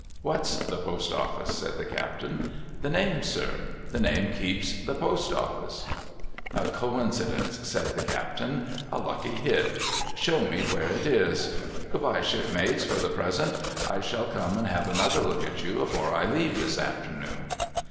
' What's the Post office ?' said the captain. ' The name, sir. The name keeps the Post office.' ' A coincidence !' said the captain. ' A lucky hit ! Show me where it is. Good bye, shipmates, for the present ! I shall come and have another look at you, afore I leave, this afternoon.'